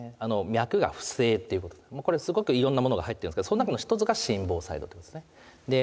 脈が不整っていうこともうこれすごくいろんなものが入ってるんですけどその中の一つが心房細動ですね。